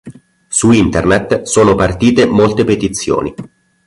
Su internet sono partite molte petizioni.